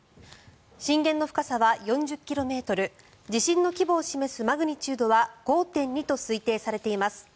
震源の深さは４０ｋｍ地震の規模を示すマグニチュードは５．２と推定されています。